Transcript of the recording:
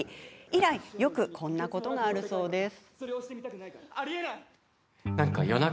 以来、よくこんなことがあるそうです。